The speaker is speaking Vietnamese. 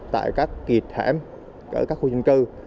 tại các kiệt hẻm ở các khu dân cư